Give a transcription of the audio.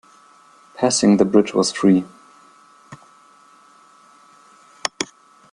Passing the bridge was free.